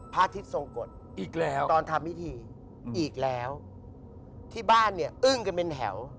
อาทิตย์ทรงกฎอีกแล้วตอนทำพิธีอีกแล้วที่บ้านเนี่ยอึ้งกันเป็นแถว